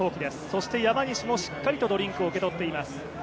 そして山西もしっかりドリンクを受け取っています。